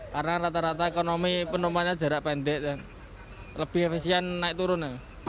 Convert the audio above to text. karena rata rata ekonomi penumpangnya jarak pendek dan lebih efisien naik turun